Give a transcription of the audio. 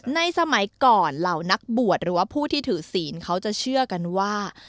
สมัยก่อนเหล่านักบวชหรือว่าผู้ที่ถือศีลเขาจะเชื่อกันว่า